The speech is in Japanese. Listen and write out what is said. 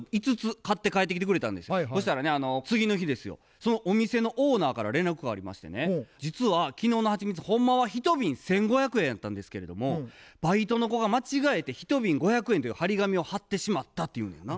そのお店のオーナーから連絡がありましてね「実は昨日のはちみつほんまは１瓶１，５００円やったんですけれどもバイトの子が間違えて１瓶５００円っていう貼り紙を貼ってしまった」って言うのやな。